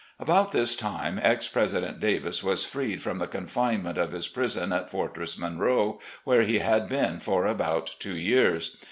About this time Ex President Davis was freed from the confinement of his prison at Fortress Monroe, where he had been for about two years.